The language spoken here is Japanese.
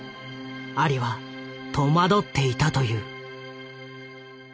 アリは戸惑っていたという。